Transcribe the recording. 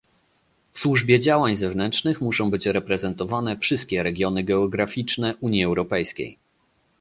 W Służbie Działań Zewnętrznych muszą być reprezentowane wszystkie regiony geograficzne Unii Europejskiej